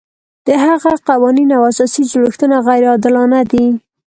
د هغه قوانین او اساسي جوړښتونه غیر عادلانه دي.